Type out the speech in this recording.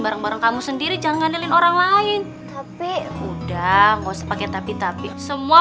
bareng kamu sendiri jangan ngandelin orang lain tapi udah ngosok pakai tapi tapi semua